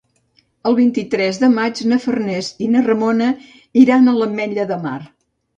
El vint-i-tres de maig na Farners i na Ramona iran a l'Ametlla de Mar.